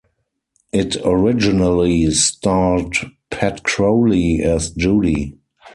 It originally starred Pat Crowley as Judy.